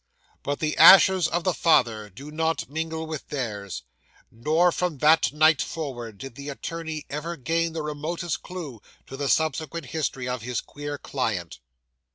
But the ashes of the father do not mingle with theirs; nor, from that night forward, did the attorney ever gain the remotest clue to the subsequent history of his queer client.